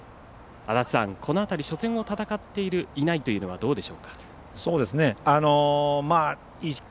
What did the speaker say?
この辺り、初戦を戦っているいないというのはどうでしょうか？